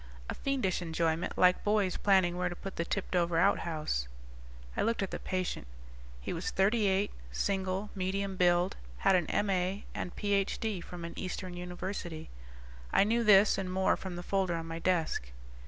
A fiendish enjoyment like boys planning where to put the tipped over outhouse." I looked at the patient. He was thirty eight, single, medium build, had an M.A. and Ph.D. from an eastern university. I knew this and more from the folder on my desk.